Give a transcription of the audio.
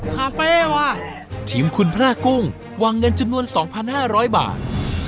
คาเฟ่ว่ะทีมคุณพระกุ้งวางเงินจำนวนสองพันห้าร้อยบาท